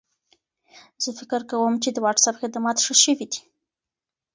زه فکر کوم چې د وټساپ خدمات ښه شوي دي.